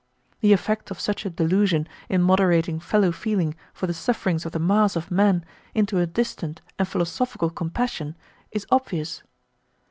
The effect of such a delusion in moderating fellow feeling for the sufferings of the mass of men into a distant and philosophical compassion is obvious.